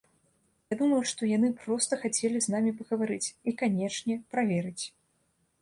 Я думаю, што яны проста хацелі з намі пагаварыць, і, канечне, праверыць.